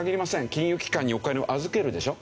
金融機関にお金を預けるでしょ？